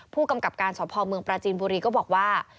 ผู้กำกับการสพเมืองปราจีนบุรีก็บอกว่า